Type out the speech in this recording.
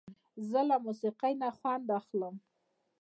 زه له موسیقۍ نه خوند اخلم.